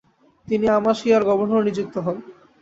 তিনি আমাসিয়ার গভর্নর নিযুক্ত হন।